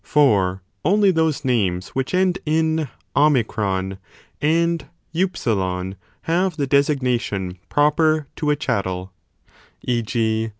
40 For only those names which end in o and v, have the 174 designation proper to a chattel, e. g.